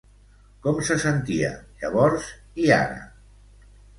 Com se sentia llavors i ara?